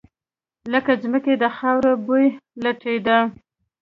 له ځمکې د خاورو بوی لټېده.